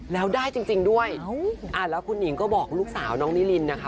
แล้วได้จริงด้วยแล้วคุณหนิงก็บอกลูกสาวน้องนิรินนะคะ